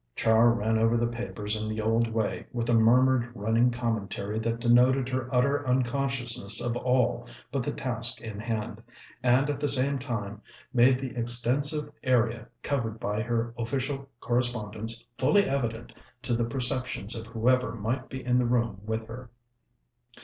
Char ran over the papers in the old way, with the murmured running commentary that denoted her utter unconsciousness of all but the task in hand, and at the same time made the extensive area covered by her official correspondence fully evident to the perceptions of whoever might be in the room with her.